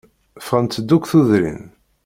Ffɣent-d akk tudrin.